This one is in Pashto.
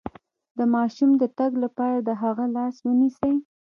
د ماشوم د تګ لپاره د هغه لاس ونیسئ